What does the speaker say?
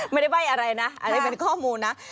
ไม่ได้ใบ้อะไรนะอันนี้เป็นข้อมูลนะ